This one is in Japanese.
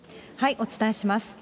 お伝えします。